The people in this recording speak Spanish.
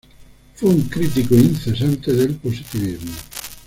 Fue un crítico incesante del positivismo.